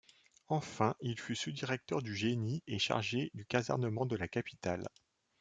Enfin il fut sous-directeur du génie, et chargé du casernement de la capitale.